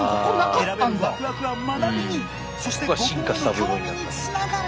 選べるワクワクは学びにそして語根への興味につながる。